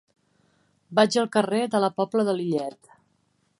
Vaig al carrer de la Pobla de Lillet.